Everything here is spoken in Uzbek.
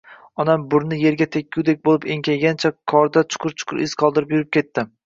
Onam burni yerga tekkudek bo‘lib enkaygancha qorda chuqur-chuqur iz qoldirib yurib ketdi.